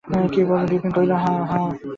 বিপিন কহিল, হাঁ।